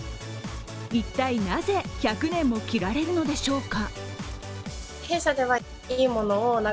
一体、なぜ１００年も着られるのでしょうか？